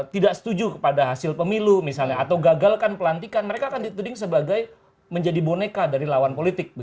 tidak setuju kepada hasil pemilu misalnya atau gagalkan pelantikan mereka akan dituding sebagai menjadi boneka dari lawan politik